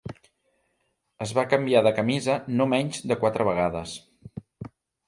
Es va canviar de camisa no menys de quatre vegades.